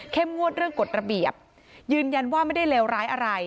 งวดเรื่องกฎระเบียบยืนยันว่าไม่ได้เลวร้ายอะไร